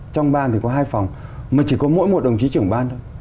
trong ban thì có hai phòng mà chỉ có mỗi một đồng chí trưởng ban thôi